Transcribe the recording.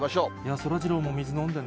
そらジローも水飲んでね。